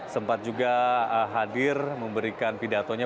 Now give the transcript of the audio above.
sempat juga hadir memberikan pidatonya